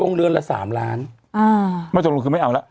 โรงเรือนละสามล้านอ่ามาจากโรคคือไม่เอาแล้ว